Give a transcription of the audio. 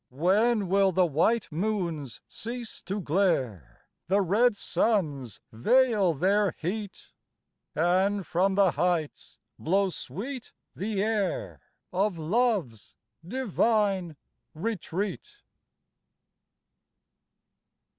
When will the white moons cease to glare, The red suns veil their heat? And from the heights blow sweet the air Of Love's divine retreat?